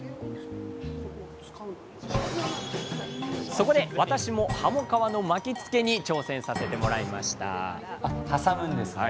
そこで私も「はも皮の巻き付け」に挑戦させてもらいました挟むんですね。